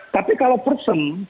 tapi kalau person